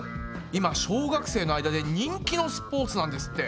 今小学生の間で人気のスポーツなんですって。